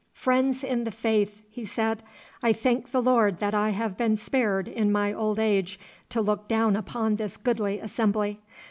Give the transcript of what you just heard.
'Friends in the faith,' he said, 'I thank the Lord that I have been spared in my old age to look down upon this goodly assembly.